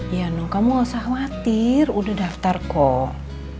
iya noh kamu gak usah khawatir udah daftar kok